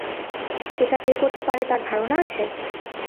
এটা কে করতে পারে তার ধারণা আছে?